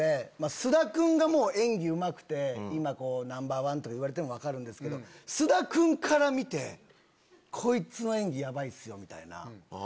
菅田君がもう演技うまくてナンバーワンとか言われてるの分かるんですけど菅田君から見てこいつの演技ヤバいっすよ！みたいな。